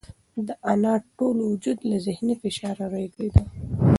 د انا ټول وجود له ذهني فشاره رېږدېده.